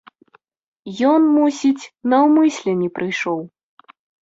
Ён, мусіць, наўмысля не прыйшоў.